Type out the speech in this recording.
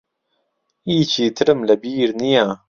هیچی ترم لە بیر نییە.